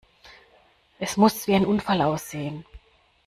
Es muss wie ein Unfall aussehen!